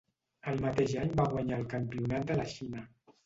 El mateix any va guanyar el campionat de la Xina.